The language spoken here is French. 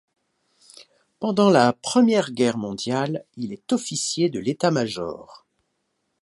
Pendant la Première Guerre mondiale, il est officier de l'état-major.